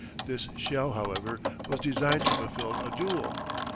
This shell, however, was designed to fulfil a dual.